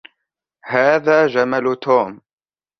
هذا جمل توم.